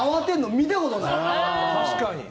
確かに。